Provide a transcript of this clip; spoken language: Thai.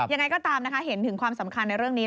ยังไงก็ตามนะคะเห็นถึงความสำคัญในเรื่องนี้